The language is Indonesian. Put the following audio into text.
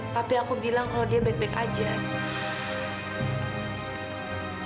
tapi aku bilang kalau dia baik baik aja